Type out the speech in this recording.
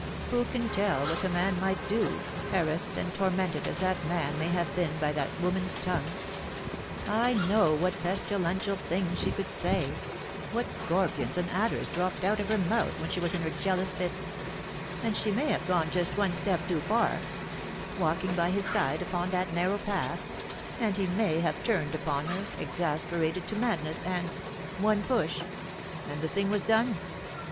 Who can tell what a man might do, harassed and tormented as that man may have been by that woman's tongue ? I know what pestilential things she could eay what scorpions and adders dropped out of her mouth when she was in her jealous fits and she may have gone just one step too far walking by his side upon that narrow path and he may have turned upon her, exasperated to madness, and one push and the thing was done.